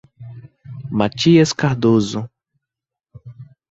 Matias Cardoso